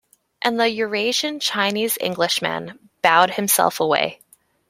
And the Eurasian Chinese-Englishman bowed himself away.